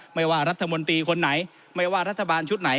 ไม่ว่ารัฐมนตรีคนไหนไม่ว่ารัฐบาลชุดไหน